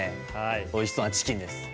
おいしそうなチキンです。